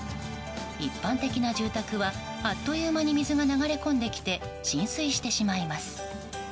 一般的な住宅は、あっという間に水が流れ込んできて浸水してしまいます。